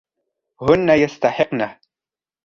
هن يستحقنه.